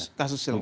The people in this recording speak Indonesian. ya kasus yang lain